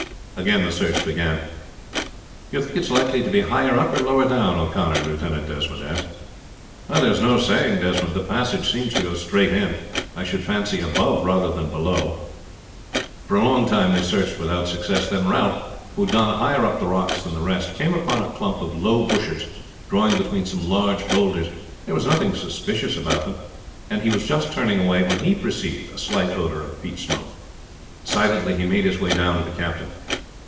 Again the search began. "Do you think it is likely to be higher up or lower down, O'Connor?" Lieutenant Desmond asked. "There is no saying, Desmond; the passage seems to go straight in. I should fancy above rather than below." For a long time they searched without success; then Ralph, who had gone higher up the rocks than the rest, came upon a clump of low bushes growing between some large bowlders. There was nothing suspicious about them, and he was just turning away when he perceived a slight odor of peat smoke. Silently he made his way down to the captain.